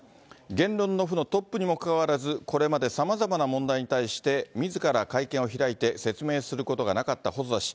言論の府のトップにもかかわらず、これまでさまざまな問題に対してみずから会見を開いて説明することがなかった細田氏。